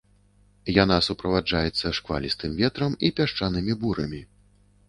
Яна суправаджаецца шквалістым ветрам і пясчанымі бурамі.